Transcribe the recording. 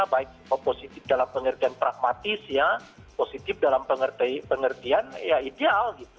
baik positif dalam pengertian pragmatis ya positif dalam pengertian ya ideal gitu